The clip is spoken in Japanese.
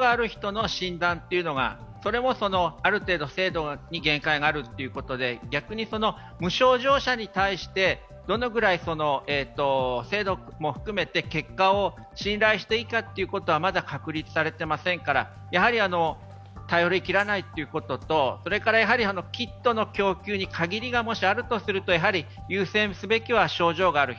抗原キットというのは、もともと症状のある人の診断が、ある程度制度に限界があるということで、逆に無症状者に対して、どのぐらい精度も含めて結果を信頼していいかということは、まだ確立されていませんからやはり頼り切らないということとそれからキットの供給に限りがもしあるとすると、優先すべきは症状がある人。